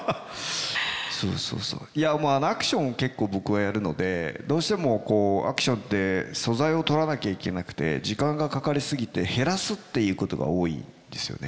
いやまあアクションを結構僕はやるのでどうしてもアクションって素材を撮らなきゃいけなくて時間がかかり過ぎて減らすっていうことが多いんですよね。